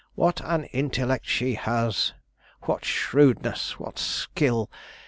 "What an intellect she has! what shrewdness! what skill!